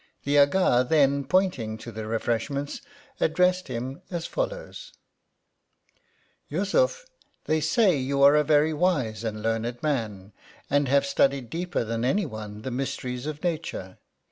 The Aga then pointing to the refreshments addressed him as follows :— "Yussuf, they say you are a very wise and learned man, and have studied deeper than any one the mysteries of nature.